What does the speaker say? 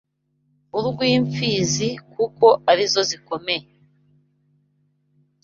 urw’imfizi kuko arizo zikomeye